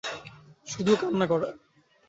শুধু কান্না করে।